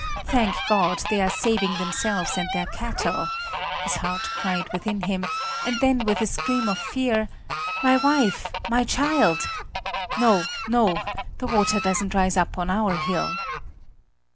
"Thank God! They are saving themselves and their cattle!" his heart cried within him; and then with a scream of fear: "My wife! My child! No, no; the water doesn't rise up on our hill!"